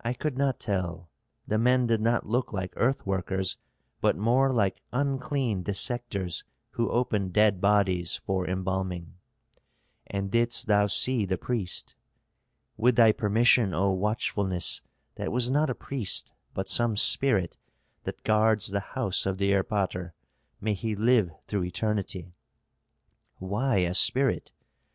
"I could not tell. The men did not look like earth workers, but more like unclean dissectors who open dead bodies for embalming." "And didst thou see the priest?" "With thy permission, O watchfulness, that was not a priest, but some spirit that guards the house of the erpatr may he live through eternity!" "Why a spirit?"